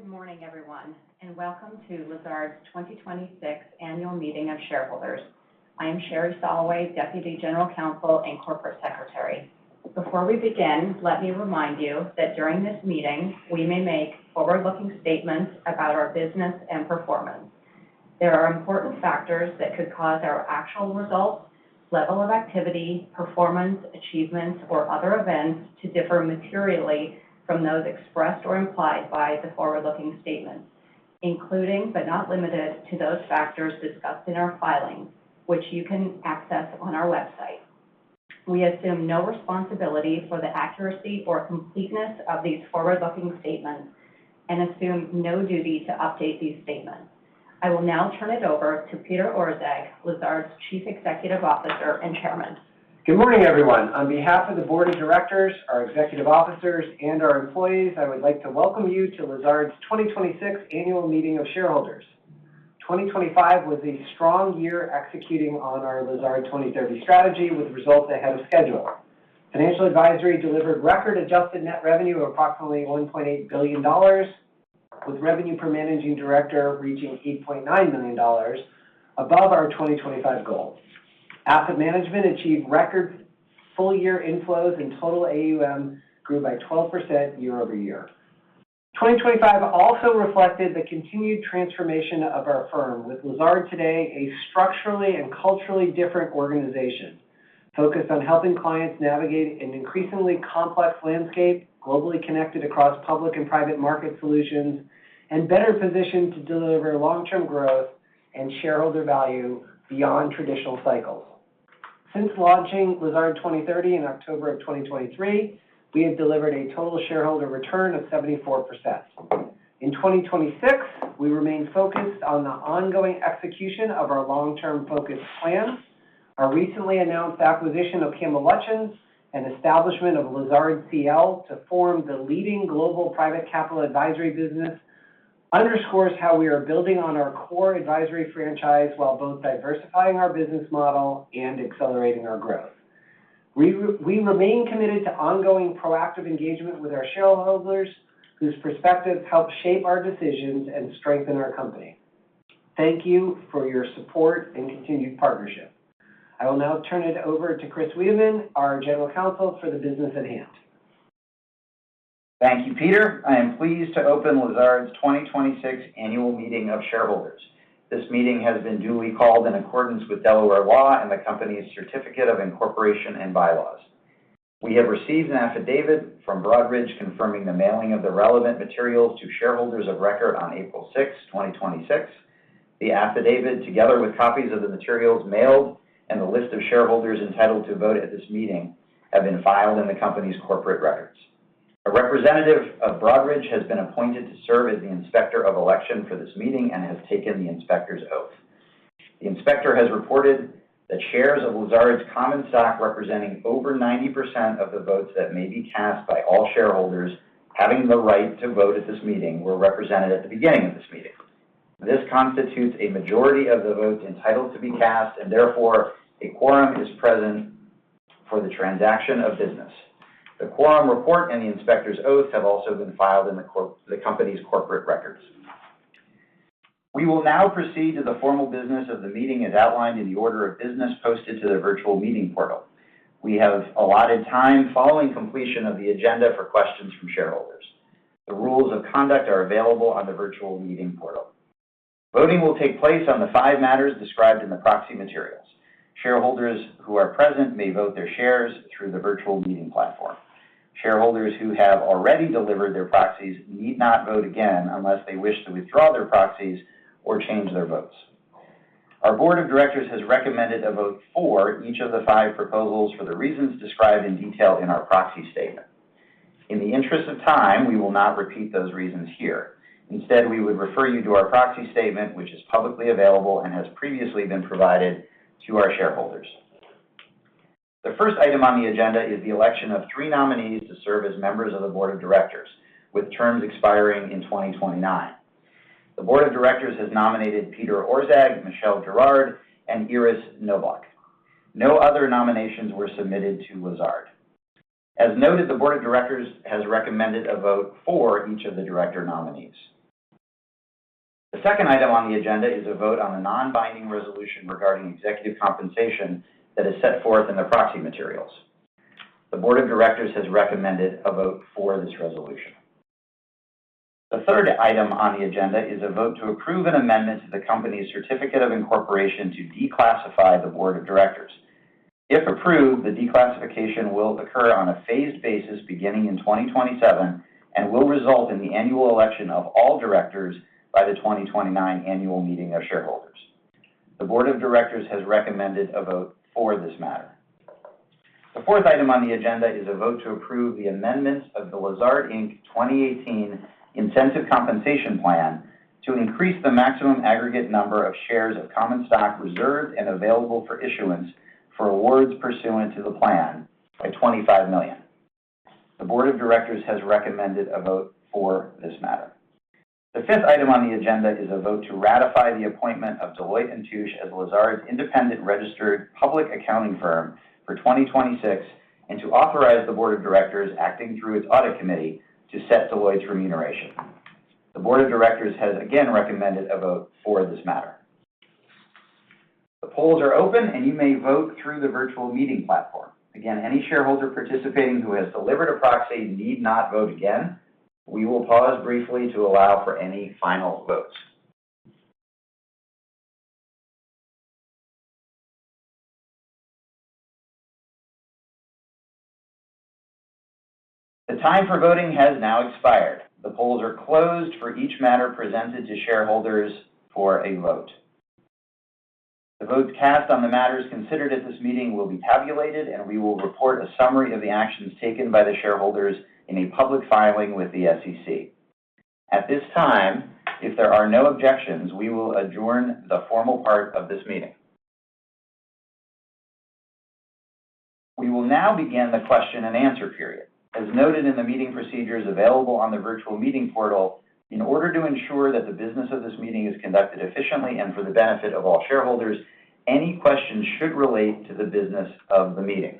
Good morning, everyone, and welcome to Lazard's 2026 Annual Meeting of Shareholders. I am Shari Soloway, Deputy General Counsel and Corporate Secretary. Before we begin, let me remind you that during this meeting, we may make forward-looking statements about our business and performance. There are important factors that could cause our actual results, level of activity, performance, achievements, or other events to differ materially from those expressed or implied by the forward-looking statements, including, but not limited to, those factors discussed in our filings, which you can access on our website. We assume no responsibility for the accuracy or completeness of these forward-looking statements and assume no duty to update these statements. I will now turn it over to Peter Orszag, Lazard's Chief Executive Officer and Chairman. Good morning, everyone. On behalf of the board of directors, our executive officers, and our employees, I would like to welcome you to Lazard's 2026 Annual Meeting of Shareholders. 2025 was a strong year executing on our Lazard 2030 strategy, with results ahead of schedule. Financial advisory delivered record adjusted net revenue of approximately $1.8 billion, with revenue per managing director reaching $8.9 million, above our 2025 goal. Asset management achieved record full-year inflows, and total AUM grew by 12% year-over-year. 2025 also reflected the continued transformation of our firm, with Lazard today a structurally and culturally different organization, focused on helping clients navigate an increasingly complex landscape, globally connected across public and private market solutions, and better positioned to deliver long-term growth and shareholder value beyond traditional cycles. Since launching Lazard 2030 in October of 2023, we have delivered a total shareholder return of 74%. In 2026, we remain focused on the ongoing execution of our long-term focused plans. Our recently announced acquisition of Campbell Lutyens and establishment of Lazard CL to form the leading global private capital advisory business underscores how we are building on our core advisory franchise, while both diversifying our business model and accelerating our growth. We remain committed to ongoing proactive engagement with our shareholders, whose perspectives help shape our decisions and strengthen our company. Thank you for your support and continued partnership. I will now turn it over to Chris Weideman, our general counsel, for the business at hand. Thank you, Peter. I am pleased to open Lazard's 2026 Annual Meeting of Shareholders. This meeting has been duly called in accordance with Delaware law and the company's certificate of incorporation and bylaws. We have received an affidavit from Broadridge confirming the mailing of the relevant materials to shareholders of record on April 6th, 2026. The affidavit, together with copies of the materials mailed and the list of shareholders entitled to vote at this meeting, have been filed in the company's corporate records. A representative of Broadridge has been appointed to serve as the inspector of election for this meeting and has taken the inspector's oath. The inspector has reported that shares of Lazard's common stock representing over 90% of the votes that may be cast by all shareholders having the right to vote at this meeting were represented at the beginning of this meeting. This constitutes a majority of the votes entitled to be cast, and therefore, a quorum is present for the transaction of business. The quorum report and the inspector's oath have also been filed in the company's corporate records. We will now proceed to the formal business of the meeting as outlined in the order of business posted to the virtual meeting portal. We have allotted time following completion of the agenda for questions from shareholders. The rules of conduct are available on the virtual meeting portal. Voting will take place on the five matters described in the proxy materials. Shareholders who are present may vote their shares through the virtual meeting platform. Shareholders who have already delivered their proxies need not vote again unless they wish to withdraw their proxies or change their votes. Our Board of Directors has recommended a vote for each of the five proposals for the reasons described in detail in our proxy statement. In the interest of time, we will not repeat those reasons here. Instead, we would refer you to our proxy statement, which is publicly available and has previously been provided to our shareholders. The first item on the agenda is the election of three nominees to serve as members of the Board of Directors, with terms expiring in 2029. The Board of Directors has nominated Peter Orszag, Michelle Jarrard, and Iris Knobloch. No other nominations were submitted to Lazard. As noted, the Board of Directors has recommended a vote for each of the director nominees. The second item on the agenda is a vote on the non-binding resolution regarding executive compensation that is set forth in the proxy materials. The board of directors has recommended a vote for this resolution. The third item on the agenda is a vote to approve an amendment to the company's certificate of incorporation to declassify the board of directors. If approved, the declassification will occur on a phased basis beginning in 2027 and will result in the annual election of all directors by the 2029 Annual Meeting of Shareholders. The board of directors has recommended a vote for this matter. The fourth item on the agenda is a vote to approve the amendments of the Lazard Inc. 2018 Incentive Compensation Plan to increase the maximum aggregate number of shares of common stock reserved and available for issuance for awards pursuant to the plan by 25 million. The board of directors has recommended a vote for this matter. The fifth item on the agenda is a vote to ratify the appointment of Deloitte & Touche as Lazard's independent registered public accounting firm for 2026 and to authorize the board of directors, acting through its audit committee, to set Deloitte's remuneration. The board of directors has again recommended a vote for this matter. The polls are open, and you may vote through the virtual meeting platform. Again, any shareholder participating who has delivered a proxy need not vote again. We will pause briefly to allow for any final votes. The time for voting has now expired. The polls are closed for each matter presented to shareholders for a vote. The votes cast on the matters considered at this meeting will be tabulated, and we will report a summary of the actions taken by the shareholders in a public filing with the SEC. At this time, if there are no objections, we will adjourn the formal part of this meeting. We will now begin the question and answer period. As noted in the meeting procedures available on the virtual meeting portal, in order to ensure that the business of this meeting is conducted efficiently and for the benefit of all shareholders, any questions should relate to the business of the meeting.